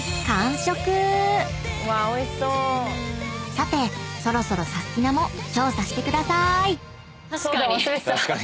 ［さてそろそろサスティな！も調査してくださーい！］